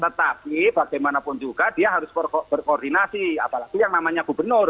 tetapi bagaimanapun juga dia harus berkoordinasi apalagi yang namanya gubernur